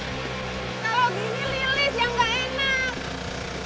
kalau gini lilih yang gak enak